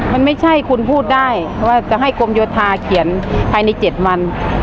มันไม่ใช่คุณพูดได้ว่าจะให้กรมโยธาเขียนภายใน๗วัน